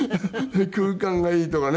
「空間がいい」とかね。